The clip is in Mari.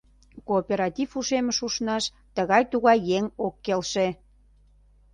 Кооператив ушемыш ушнаш тыгай-тугай еҥ ок келше.